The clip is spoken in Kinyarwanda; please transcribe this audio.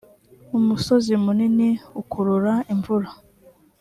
umusozi munini ukurura imvura.